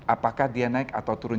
apakah dia naik atau turun